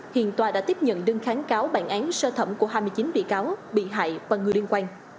hiện tòa đã tiếp nhận đơn kháng cáo bản án sơ thẩm của hai mươi chín bị cáo bị hại và người liên quan